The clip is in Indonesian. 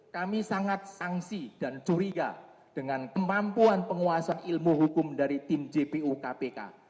kami sangat sangsi dan curiga dengan kemampuan penguasa ilmu hukum dari tim jpu kpk